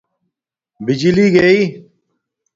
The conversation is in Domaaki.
بجلی گݵی